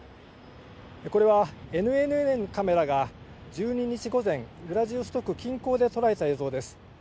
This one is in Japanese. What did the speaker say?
これはＮＮＮのカメラが１２日午前、ウラジオストク近郊で捉えた映像です。